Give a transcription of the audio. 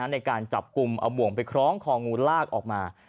ในการจับกลุ่มเอาบ่วงไปคล้องคองูลากออกมา